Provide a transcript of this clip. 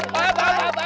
paham paham paham